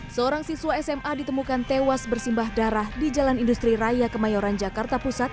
seorang siswa sma ditemukan tewas bersimbah darah di jalan industri raya kemayoran jakarta pusat